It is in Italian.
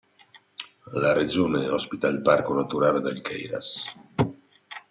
La regione ospita il Parco naturale del Queyras.